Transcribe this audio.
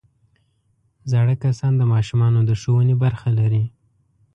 زاړه کسان د ماشومانو د ښوونې برخه لري